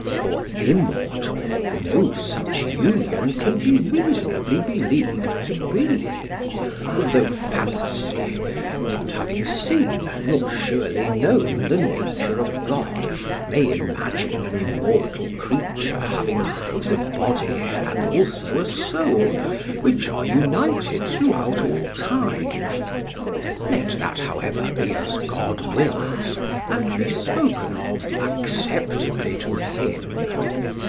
For immortal no such union can be reasonably believed to be; although fancy, not having seen nor surely known the nature of God, may imagine an immortal creature having both a body and also a soul which are united throughout all time. Let that, however, be as God wills, and be spoken of acceptably to him.